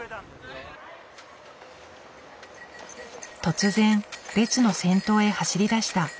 突然列の先頭へ走りだした。